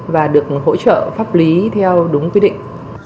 và được hỗ trợ pháp lý theo đúng quy định